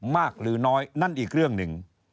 หรือน้อยนั่นอีกเรื่องหนึ่ง